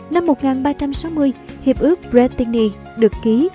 năm một nghìn ba trăm sáu mươi hiệp ước brettingy được ký